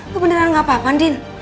gue beneran nggak apa apa andien